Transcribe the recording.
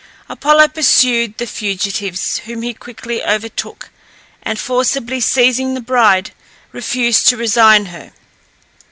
Apollo pursued the fugitives, whom he quickly overtook, and forcibly seizing the bride, refused to resign her.